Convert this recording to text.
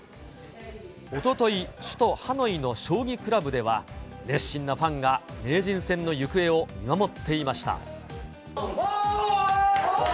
おととい、首都ハノイの将棋クラブでは、熱心なファンが名人戦の行方を見守っていました。